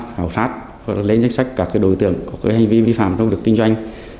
khảo sát hoặc lên danh sách các đối tượng có hành vi vi phạm trong việc kinh doanh